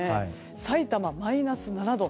さいたま、マイナス７度。